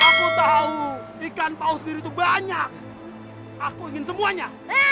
aku tau ikan paus sendiri tuh banyak aku ingin semuanya